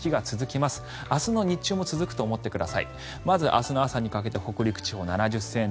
まず、明日の朝にかけて北陸地方７０ｃｍ